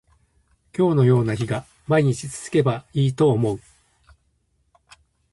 今日のような日が毎日続けばいいと思う